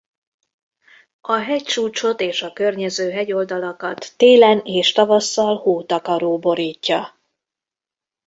A hegycsúcsot és a környező hegyoldalakat télen és tavasszal hótakaró borítja.